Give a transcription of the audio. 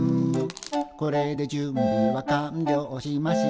「これで準備は完了しました」